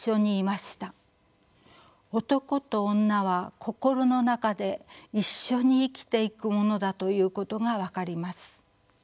男と女は心の中で一緒に生きていくものだということが分かります。